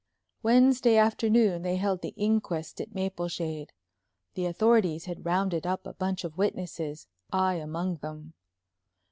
Wednesday afternoon they held the inquest at Mapleshade. The authorities had rounded up a bunch of witnesses, I among them.